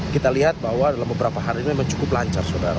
kita lihat bahwa dalam beberapa hari ini memang cukup lancar saudara